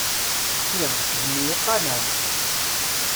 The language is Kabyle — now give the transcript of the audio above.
Kemm, d mm yiqannan!